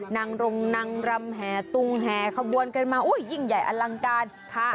นางรงนางรำแห่ตุงแห่ขบวนกันมาอุ้ยยิ่งใหญ่อลังการค่ะ